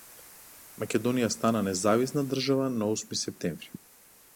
Македонија стана независна држава на Осми септември.